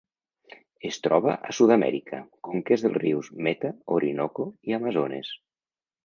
Es troba a Sud-amèrica: conques dels rius Meta, Orinoco i Amazones.